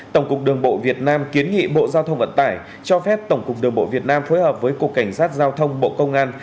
tổng cục đường bộ việt nam kiến nghị bộ giao thông vận tải cho phép tổng cục đường bộ việt nam phối hợp với cục cảnh sát giao thông bộ công an